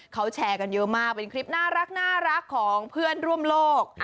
เขาแชร์กันเยอะมากเป็นคลิปน่ารักของเพื่อนร่วมโลก